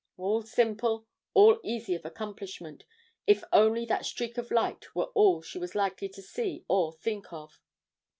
All simple, all easy of accomplishment, if only that streak of light were all she was likely to see or think of.